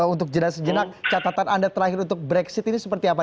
untuk jeda sejenak catatan anda terakhir untuk brexit ini seperti apa